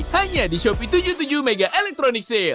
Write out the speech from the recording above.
hanya di shopee tujuh puluh tujuh mega reruniosa